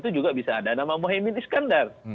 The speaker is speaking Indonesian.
juga bisa ada nama mohemim iskandar